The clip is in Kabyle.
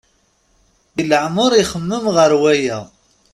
Deg leɛmer ixemmem ɣer waya.